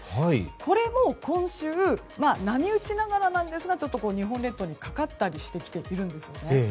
これも今週波打ちながらなんですがちょっと日本列島にかかったりしてきているんです。